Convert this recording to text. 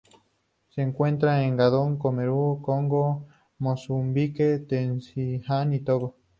Se encuentra en Gabón, Camerún, Congo, Mozambique, Tanzania y Togo.